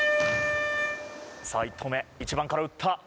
さぁ１投目１番から打った。